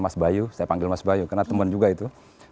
saya panggil mas bayu karena teman juga itu